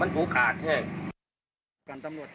มันถูกกาดแทบ